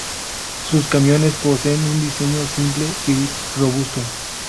Sus camiones poseen un diseño simple y robusto.